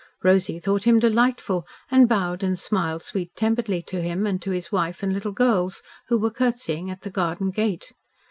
Rosy thought him delightful and bowed and smiled sweet temperedly to him and to his wife and little girls, who were curtseying at the garden gate.